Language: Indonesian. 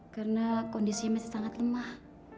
karena kondisinya masih sangat lemah